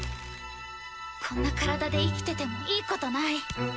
こんな体で生きててもいいことない。